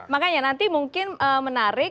makanya nanti mungkin menarik